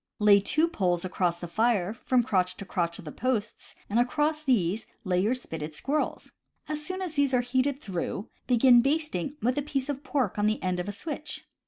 Lay two poles across the fire from crotch to crotch of the posts, and across these lay your spitted squirrels. As soon as these are heated through, begin basting with a piece of pork on the end of a switch.